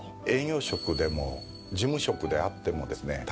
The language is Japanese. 営業職でも事務職であってもですね